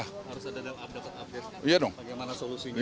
harus ada update update bagaimana solusinya